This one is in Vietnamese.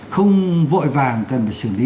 không vội vàng cần phải xử lý